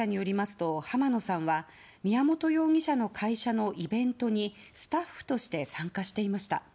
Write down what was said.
捜査関係者によりますと浜野さんは宮本容疑者の会社のイベントにスタッフとして参加していました。